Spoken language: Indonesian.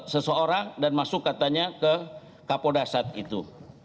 seseorang dan masuk katanya ke kapolda saat itu